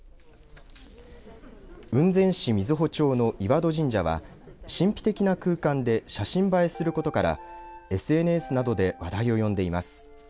雲仙市瑞穂町の岩戸神社は、神秘的な空間で写真映えすることからＳＮＳなどで話題を呼んでいます。